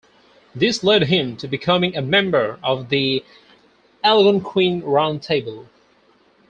This led him to becoming a member of the Algonquin Round Table.